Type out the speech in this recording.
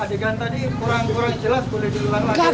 adegan tadi kurang kurang jelas boleh diulang lagi